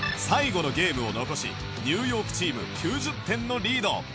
最後のゲームを残しニューヨークチーム９０点のリード